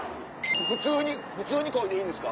普通にこいでいいんですか？